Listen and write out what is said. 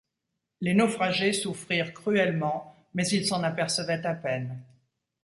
Les naufragés souffrirent cruellement, mais ils s’en apercevaient à peine